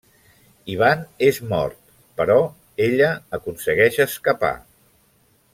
Ivan és mort però ella aconsegueix escapar.